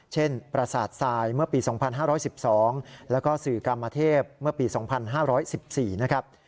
ประสาททรายเมื่อปี๒๕๑๒แล้วก็สื่อกรรมเทพเมื่อปี๒๕๑๔นะครับ